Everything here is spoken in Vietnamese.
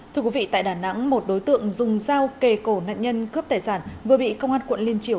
thưa quý vị tại đà nẵng một đối tượng dùng dao kề cổ nạn nhân cướp tài sản vừa bị công an quận liên triều